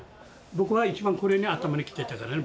僕は一番これに頭にきてたからね。